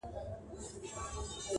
دا د پردیو اجل مه ورانوی-